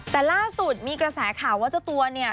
แต่ล่าสุดมีกระแสข่าวว่าเจ้าตัวเนี่ย